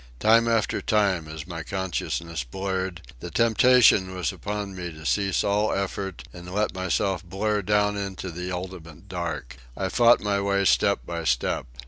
Time after time, as my consciousness blurred, the temptation was upon me to cease all effort and let myself blur down into the ultimate dark. I fought my way step by step.